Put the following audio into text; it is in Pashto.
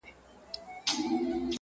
د يو سري مار خوراك يوه مړۍ وه-